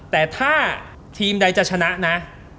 แต่ถ้าทีมใดจะชนะนะ